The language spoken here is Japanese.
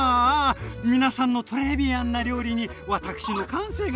皆さんのトレービアンな料理に私の感性が刺激されました！